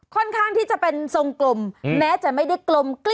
ค่อนข้างที่จะเป็นทรงกลมแม้จะไม่ได้กลมกลิ้ง